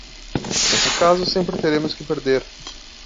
Nesse caso, sempre teremos que perder.